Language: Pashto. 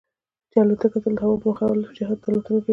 چې الوتکه تل د هوا په مخالف جهت الوتنه کوي.